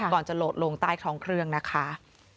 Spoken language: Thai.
ก่อนจะโหลดลงใต้ท้องเครื่องนะคะ